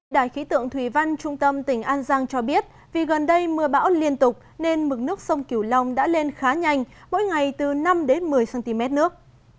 đại khí tượng thủy văn trung tâm tỉnh an giang cho biết vì gần đây mưa bão liên tục nên mực nước sông kiều long đã lên khá nhanh mỗi ngày từ năm đến một mươi cm nước